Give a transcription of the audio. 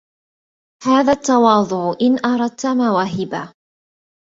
هذا التواضع إن أردت مواهبا